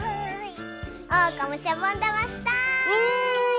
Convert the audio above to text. おうかもしゃぼんだましたい！